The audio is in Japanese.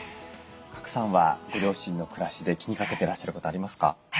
賀来さんはご両親の暮らしで気にかけてらっしゃることありますか？